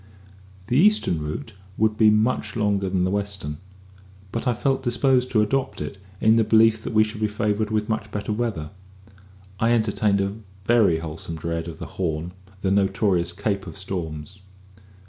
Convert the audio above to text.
The eastern route would be much longer than the western; but I felt disposed to adopt it, in the belief that we should be favoured with much better weather. I entertained a very wholesome dread of the "Horn" the notorious "Cape of Storms."